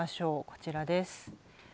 こちらです。